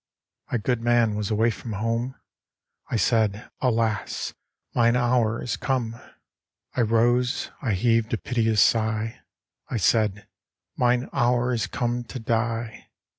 ii. My good man was away from home. I said :" Alas ! mine hour is come." ii 1 2 THE WOOD DEMON. I rose, I heaved a piteous sigh, I said :" Mine hour is come to die."